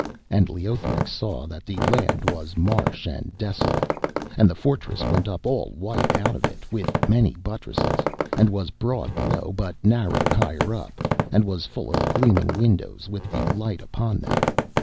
And Leothric saw that the land was marsh and desolate. And the fortress went up all white out of it, with many buttresses, and was broad below but narrowed higher up, and was full of gleaming windows with the light upon them.